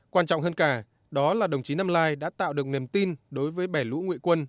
quan trọng hơn cả đó là đồng chí năm lai đã tạo được niềm tin đối với bè lũ ngụy quân